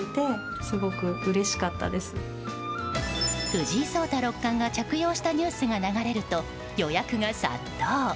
藤井聡太六冠が着用したニュースが流れると予約が殺到。